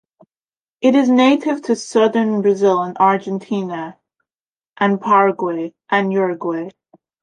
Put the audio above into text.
It is native to southern Brazil and Argentina, and Paraguay and Uruguay.